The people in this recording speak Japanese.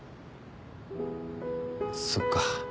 そっか。